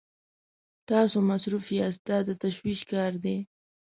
تاسو مصروف ساتي دا د تشویش کار دی.